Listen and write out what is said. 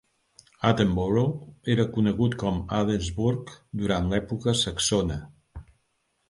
Attenborough era conegut com "Addensburgh" durant l'època saxona.